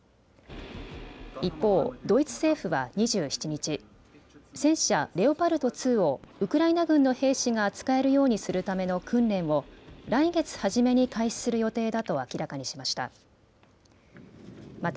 一方、ドイツ政府は２７日、戦車、レオパルト２をウクライナ軍の兵士が扱えるようにするための訓練を来月初めに開始する予定だと明らかにしました。